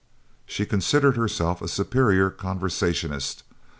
She considered herself a superior conversationist.